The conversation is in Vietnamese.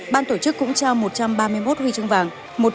ban tổ chức cũng trao một trăm ba mươi một huy chương vàng